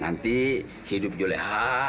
nanti hidup juleha